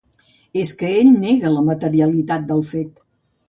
És que ell nega la materialitat del fet.